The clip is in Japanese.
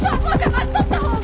待っとったほうが。